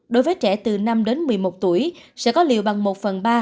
đối với trẻ từ năm đến một mươi một tuổi sẽ có liều bằng một phần ba